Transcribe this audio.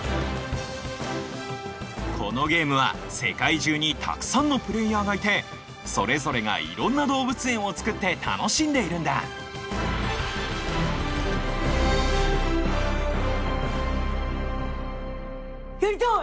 このゲームは世界中にたくさんのプレーヤーがいてそれぞれがいろんな動物園を作って楽しんでいるんだやりたい！